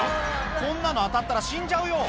こんなの当たったら死んじゃうよ。